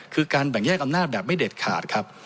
คือการแบ่งแยกอำนาจแบบไม่เด็ดขาดครับ